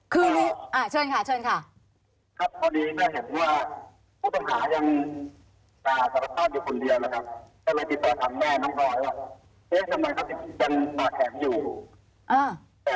เชิญค่ะ